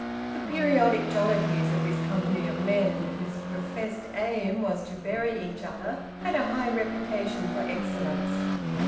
The periodic jollities of this company of men whose professed aim was to bury each other, had a high reputation for excellence.